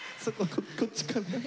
こっちかな。